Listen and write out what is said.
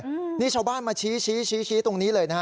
น้ำมีเช้าบ้านมาชี้ตรงนี้เลย